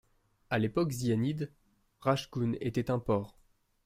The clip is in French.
À l'époque Zianide, Rachgoun était un port.